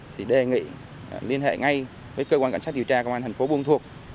thì đề nghị liên hệ ngay với cơ quan cảnh sát điều tra công an thành phố buôn thuộc